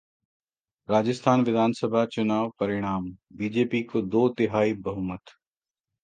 राजस्थान विधानसभा चुनाव परिणाम: बीजेपी को दो तिहाई बहुमत